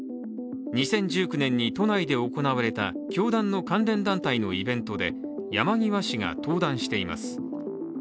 ２０１９年に都内で行われた教団の関連団体のイベントで山際氏が登壇しています。